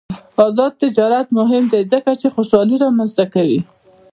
آزاد تجارت مهم دی ځکه چې خوشحالي رامنځته کوي.